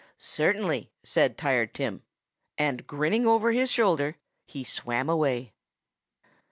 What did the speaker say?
"Certainly!" said Tired Tim. And grinning over his shoulder, he swam away.